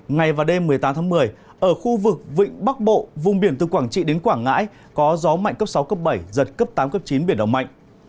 ngày và đêm một mươi tám tháng một mươi ở khu vực vịnh bắc bộ vùng biển từ quảng trị đến quảng ngãi có gió mạnh cấp sáu cấp bảy giật cấp tám cấp chín biển động mạnh